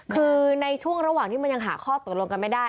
คือในช่วงระหว่างที่มันยังหาข้อตกลงกันไม่ได้